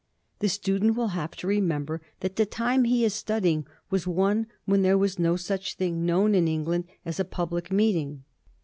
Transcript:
The student will have to remember that the time he is studying was one when there was no such thing known in England as a public meeting.